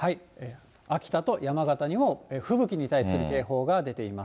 秋田と山形にも吹雪に対する警報が出ています。